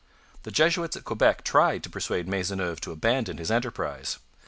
The Jesuits at Quebec tried to persuade Maisonneuve to abandon his enterprise.